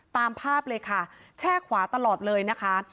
ตามภาพเลยค่ะแช่ขวาตลอดเลยนะคะ